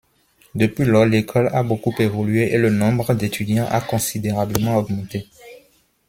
Depuis lors, l'école a beaucoup évolué et le nombre d'étudiants a considérablement augmenté.